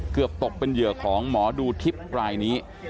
เกือบตกเป็นเหยื่อของหมอดูทิพย์รายนี้